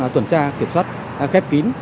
tuần tra kiểm soát khép kín